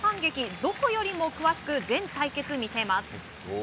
どこよりも詳しく全対決見せます。